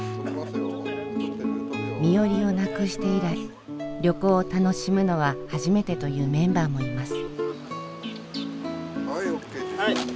身寄りをなくして以来旅行を楽しむのは初めてというメンバーもいます。